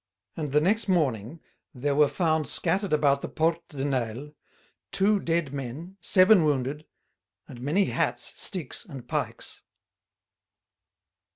And the next morning there were found scattered about the Porte de Nesle two dead men, seven wounded, and many hats, sticks, and pikes.